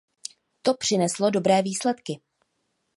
To přineslo dobré výsledky.